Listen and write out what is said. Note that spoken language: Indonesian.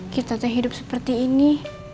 kita teh hidup seperti ini